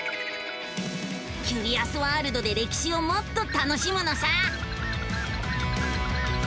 キュリアスワールドで歴史をもっと楽しむのさ！